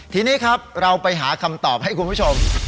ทีนี้ครับเราไปหาคำตอบให้คุณผู้ชม